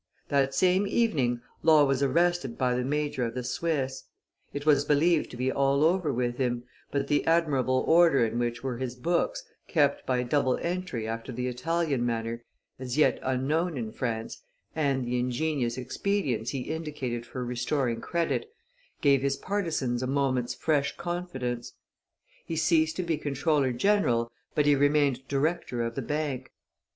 That same evening Law was arrested by the major of the Swiss; it was believed to be all over with him, but the admirable order in which were his books, kept by double entry after the Italian manner, as yet unknown in France, and the ingenious expedients he indicated for restoring credit, gave his partisans a moment's fresh confidence. He ceased to be comptroller general, but he remained director of the Bank.